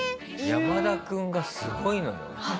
山田君がすごいのよ。